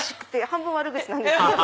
半分悪口なんですけど。